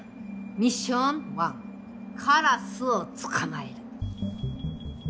ミッション１カラスを捕まえる。